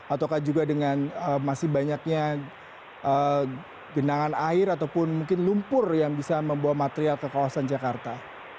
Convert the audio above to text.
atau juga dengan masih banyaknya genangan air ataupun mungkin lumpur yang bisa membawa material ke kawasan jakarta